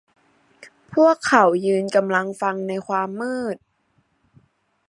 พวกเขายืนกำลังฟังในความมืด